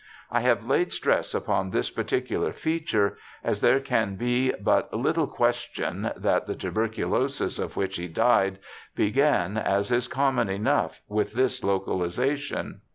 I have laid stress upon this particular feature, as there can be but little question that the tuberculosis of which he died began, as is common enough, with this localization.